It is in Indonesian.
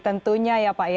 tentunya ya pak